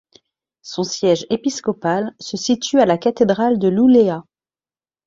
Son siège épiscopal se situe à la Cathédrale de Luleå.